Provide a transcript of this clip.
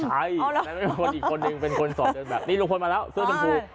เป็นคนอีกคนนึงเป็นคนสอบเดินแบบนี้ลุงพลมาแล้วเสื้อชมพู